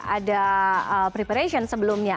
ada preparation sebelumnya